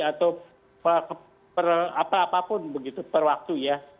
atau apa apa pun per waktu